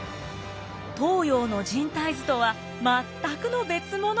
東洋の人体図とは全くの別物！